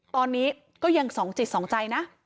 ตอนนี้ก็ยังสองจิตสองใจนะ